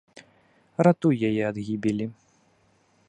Ратуй яе ад гібелі.